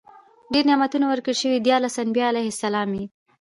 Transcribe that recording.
ډير نعمتونه ورکړي وو، ديارلس انبياء عليهم السلام ئي